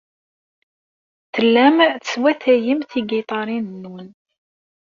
Tellam teswatayem tigiṭarin-nwen.